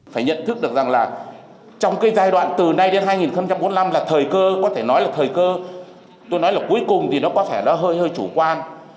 phải nhận thức được rằng là trong cái giai đoạn từ nay đến hai nghìn bốn mươi năm là thời cơ có thể nói là thời cơ tôi nói là cuối cùng thì nó có vẻ nó hơi hơi chủ quan